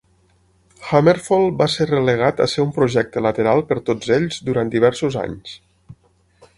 HammerFall va ser relegat a ser un projecte lateral per tots ells durant diversos anys.